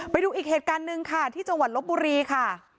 ไปดูอีกเหตุการณ์หนึ่งค่ะที่จังหวัดลบบุรีค่ะ